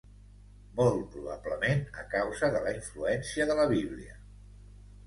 Molt probablement a causa de la influència de la Bíblia.